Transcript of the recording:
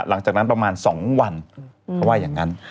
หลังจากนั้นประมาณ๒วันเขาว่าอย่างนั้น